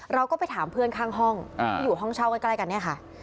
เราก็ไปถามเพื่อนข้างห้องที่อยู่ห้องเช่าใกล้กันเนี่ยค่ะ